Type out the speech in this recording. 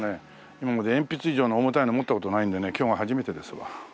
今まで鉛筆以上の重たいの持った事ないんでね今日が初めてですわ。